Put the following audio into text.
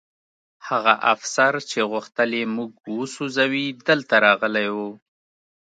هغه افسر چې غوښتل یې موږ وسوځوي دلته راغلی و